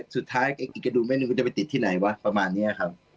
สุดท้ายอีกกระดุมแม่นหนึ่งมันจะไปติดที่ไหนวะประมาณเนี้ยครับ